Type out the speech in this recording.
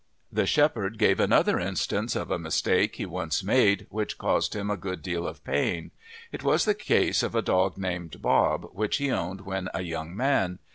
The shepherd gave another instance of a mistake he once made which caused him a good deal of pain. It was the case of a dog named Bob which he owned when a young man.